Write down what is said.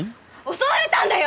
襲われたんだよ！